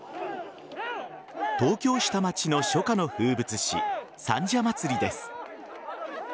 東京・下町の初夏の風物詩三社祭です。